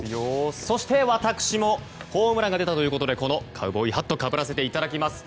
そして、私もホームランが出たということでカウボーイハットをかぶらせていただきます。